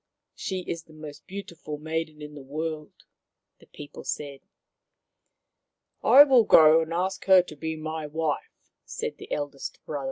She is the most beautiful maiden in the world/' the people said. " I will go and ask her to be my wife," said the eldest brother.